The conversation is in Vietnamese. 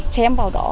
chém vào đó